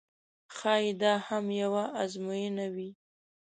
ښایي دا هم یوه آزموینه وي.